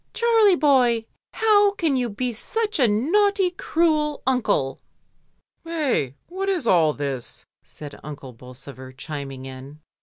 "Charlie boy, how can you be such a naughty, cruel uncle." "Hey! what is all this?" said Uncle Bolsover, chiming in.